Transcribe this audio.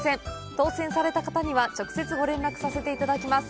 当せんされた方には、直接ご連絡させていただきます。